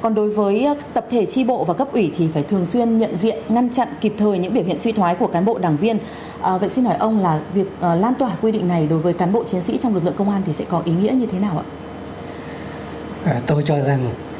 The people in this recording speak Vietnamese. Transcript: còn đối với tập thể tri bộ và cấp ủy thì phải thường xuyên nhận diện ngăn chặn kịp thời những biểu hiện suy thoái của cán bộ đảng viên vậy xin hỏi ông là việc lan tỏa quy định này đối với cán bộ chiến sĩ trong lực lượng công an thì sẽ có ý nghĩa như thế nào ạ